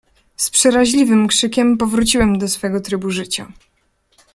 "Z przeraźliwym krzykiem powróciłem do swego trybu życia..."